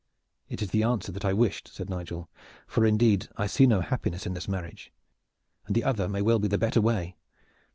"It is the answer that I wished," said Nigel, "for indeed I see no happiness in this marriage, and the other may well be the better way.